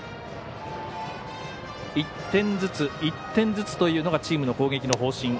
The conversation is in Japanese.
１点ずつ、１点ずつというのがチームの攻撃の方針